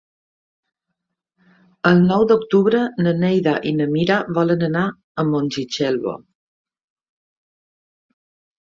El nou d'octubre na Neida i na Mira volen anar a Montitxelvo.